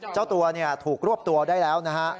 เจ้าตัวถูกรวบตัวได้แล้วนะฮะ